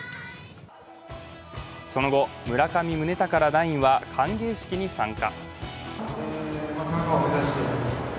その後、村上宗隆らナインは歓迎式に参加。